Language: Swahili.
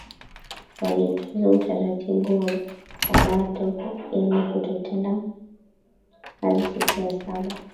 walitunza utaratibu wa sabato yaani kutotenda kazi siku ya saba